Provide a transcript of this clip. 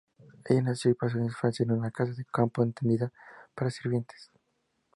Ella nació y pasó su infancia en una casa de campo atendida por sirvientes.